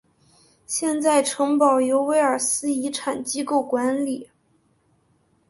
现在城堡由威尔斯遗产机构管理。